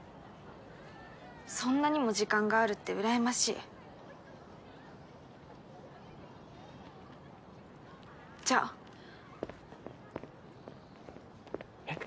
そんなにも時間があるって羨ましいじゃあえっ？